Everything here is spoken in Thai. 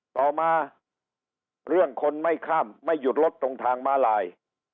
ต่อมาเรื่องคนไม่ข้ามไม่หยุดรถตรงทางม้าลาย